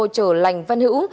trở lành văn hữu